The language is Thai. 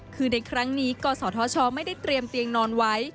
คือในครั้งนี้กศธชไม่ได้เตรียมเตียงนอนไว้